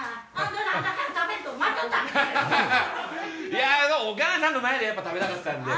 いやお母さんの前でやっぱ食べたかったんで。